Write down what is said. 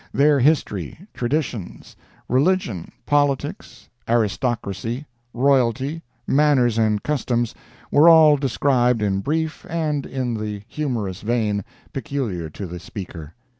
Their history, traditions, religion, politics, aristocracy, royalty, manners and customs, were all described in brief, and in the humorous vein peculiar to the speaker.